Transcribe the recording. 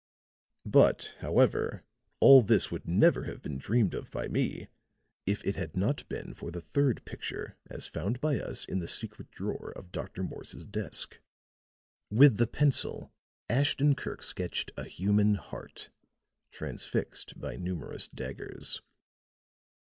But, however, all this would never have been dreamed of by me if it had not been for the third picture as found by us in the secret drawer of Dr. Morse's desk." With the pencil, Ashton Kirk sketched a human heart, transfixed by numerous daggers.